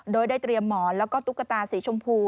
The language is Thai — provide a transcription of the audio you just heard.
โดยได้เตรียมหมอนแล้วก็ตุ๊กตาสีชมพู